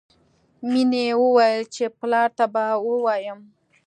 مینې وویل چې پلار ته به ووایم